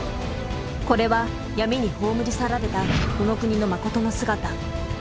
これは闇に葬り去られたこの国のまことの姿。